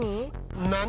「何？」